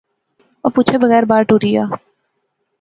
او پچھے بغیر بار ٹُری غیا